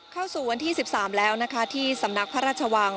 เข้าสู่วันที่๑๓แล้วนะคะที่สำนักพระราชวัง